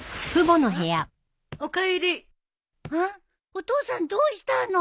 お父さんどうしたの。